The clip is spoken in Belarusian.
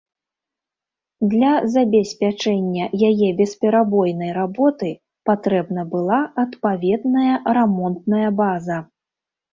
Для забеспячэння яе бесперабойнай работы патрэбна была адпаведная рамонтная база.